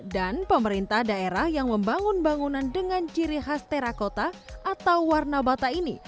dan pemerintah daerah yang membangun bangunan dengan jiri khas tera kota atau warna bata ini